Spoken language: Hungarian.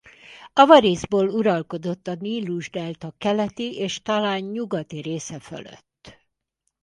Avariszból uralkodott a Nílus-delta keleti és talán nyugati része fölött.